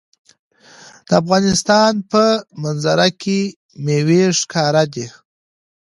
د افغانستان په منظره کې مېوې ښکاره ده.